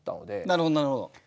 なるほどなるほど。